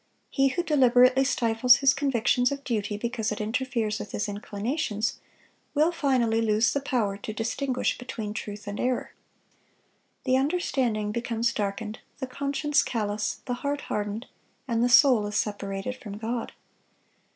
He who deliberately stifles his convictions of duty because it interferes with his inclinations, will finally lose the power to distinguish between truth and error. The understanding becomes darkened, the conscience callous, the heart hardened, and the soul is separated from God.